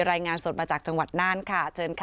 รายงานสดมาจากจังหวัดน่านค่ะเชิญค่ะ